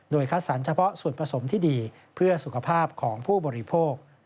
โดยคัดสรรเฉพาะส่วนผสมที่ดีเพื่อสุขภาพของผู้บริโภค